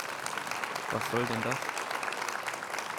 Was soll denn das?